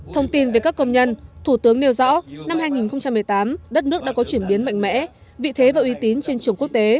thông tin về các công nhân thủ tướng nêu rõ năm hai nghìn một mươi tám đất nước đã có chuyển biến mạnh mẽ vị thế và uy tín trên trường quốc tế